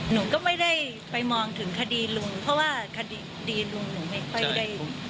หนูก็ไม่ได้ไปมองถึงคดีลุงเพราะว่าคดีลุงหนูไม่ค่อยได้